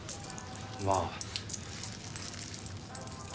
まあ。